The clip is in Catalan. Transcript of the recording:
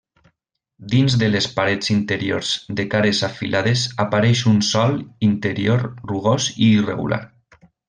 Dins de les parets interiors de cares afilades apareix un sòl interior rugós i irregular.